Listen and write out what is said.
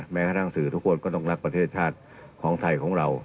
แม้กระทั่งสื่อทุกคนก็ต้องรักประเทศชาติของไทยของเรา